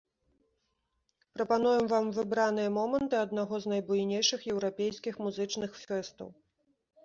Прапануем вам выбраныя моманты аднаго з найбуйнейшых еўрапейскіх музычных фэстаў.